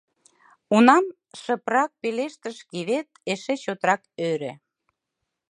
— Унам, — шыпрак пелештыш Гивет, эше чотрак ӧрӧ.